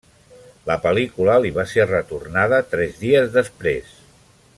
La pel·lícula li va ser retornada tres dies després.